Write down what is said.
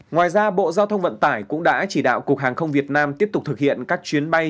ngoài ra bộ giao thông vận tải cũng đã chỉ đạo cục hàng không việt nam tiếp tục thực hiện các chuyến bay